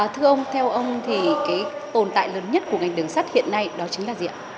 thưa ông theo ông thì cái tồn tại lớn nhất của ngành đường sắt hiện nay đó chính là gì ạ